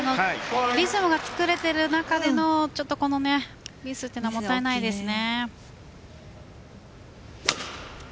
リズムが作れている中でのこのミスはもったいないですね。